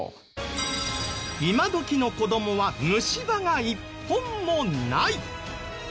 今どきの子供は虫歯が１本もない！